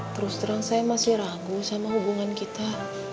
terus terang saya masih ragu sama hubungan kita